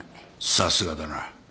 さすがだな。